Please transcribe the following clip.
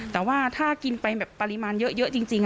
แต่ว่าถ้ากินไปแบบปริมาณเยอะจริง